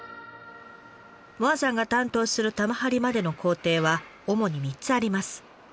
萌彩さんが担当する玉貼りまでの工程は主に３つあります。